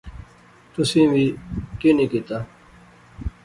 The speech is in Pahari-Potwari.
تسیں وی کی نی کیتیا